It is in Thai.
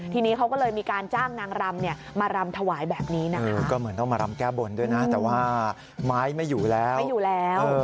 ทีนี้เขาก็เลยมีการจ้างนางรำเนี่ยมารำถวายแบบนี้นะคะก็เหมือนต้องมารำแก้บนด้วยนะแต่ว่าไม้ไม่อยู่แล้วไม่อยู่แล้ว